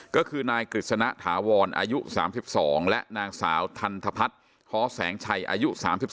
ก็คือนายกฤษณะถาวรอายุ๓๒และนางสาวทันทพัฒน์ฮ้อแสงชัยอายุ๓๒